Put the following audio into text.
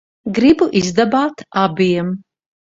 Gribu izdabāt abiem.